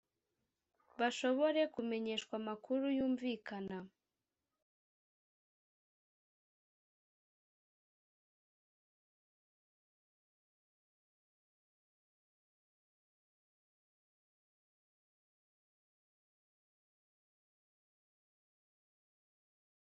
Mu gitondo yihererana na wa mukobwa we wa gatatu amubaza impamvu ntacyo yigeze akorana n’umugabo we